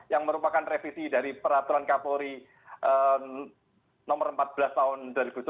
yang merupakan revisi dari peraturan kapolri nomor empat belas tahun dua ribu tujuh belas